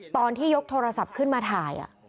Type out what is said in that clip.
ตอนที่ยกโทรศัพท์ขึ้นมาถ่าย